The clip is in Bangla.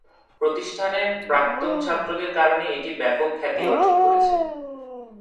প্রতিষ্ঠানের প্রাক্তন ছাত্রদের কারণে এটি ব্যাপক খ্যাতি অর্জন করেছে।